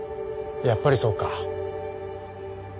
やっぱりそうか。